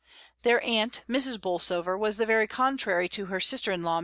Their aunt, Mrs. Bolsover, was the very contrary to her sister in law.